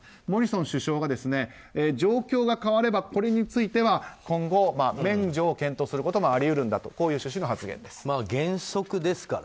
モリソン首相が状況が変われば、これについては今後、免除を検討することもあり得るんだという趣旨の発言です。